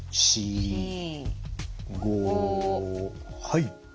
はい。